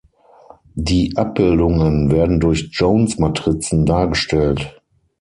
Die Abbildungen werden durch Jones-Matrizen dargestellt.